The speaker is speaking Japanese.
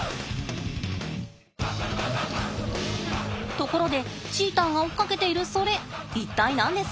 ところでチーターが追っかけているそれ一体何ですか？